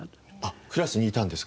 クラスにいたんですか？